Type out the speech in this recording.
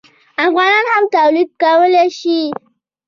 افغانان هم تولید کولی شي.